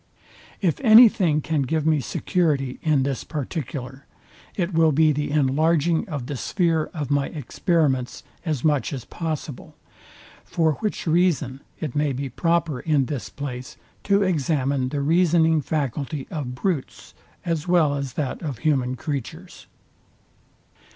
If any thing can give me security in this particular, it will be the enlarging of the sphere of my experiments as much as possible; for which reason it may be proper in this place to examine the reasoning faculty of brutes, as well as that of human creatures.